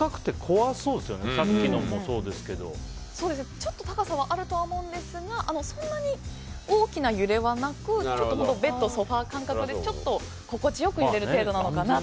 ちょっと高さはあると思うんですがそんなに大きな揺れはなくベッド、ソファ感覚でちょっと心地良く揺れる程度なのかなと。